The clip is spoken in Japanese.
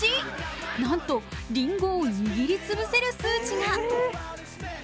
なんと、りんごを握りつぶせる数値が。